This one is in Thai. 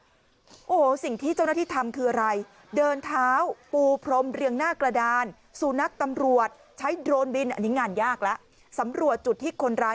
โอ้โหสิ่งที่เจ้าหน้าที่ทำคืออะไร